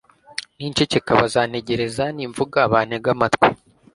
ninceceka bazantegereza, nimvuga bantege amatwi